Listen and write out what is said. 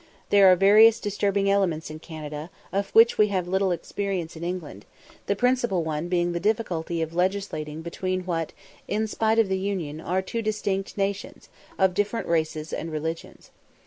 There are various disturbing elements in Canada, of which we have little experience in England; the principal one being the difficulty of legislating between what, in spite of the union, are two distinct, nations, of different races and religions.